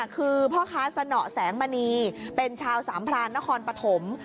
คือพ่อค้าสนอแสงมณีเป็นชาวสามพรานนครปฐม